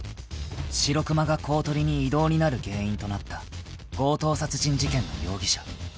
［白熊が公取に異動になる原因となった強盗殺人事件の容疑者］